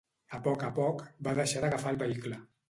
A poc a poc, va deixar d’agafar el vehicle.